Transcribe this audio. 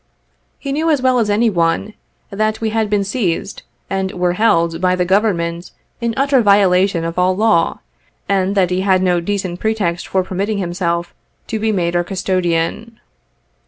He knew as well as any one, that we had been seized and were held by the Government in utter violation of all law, and that he had no decent pretext for permitting himself to be made our custodian.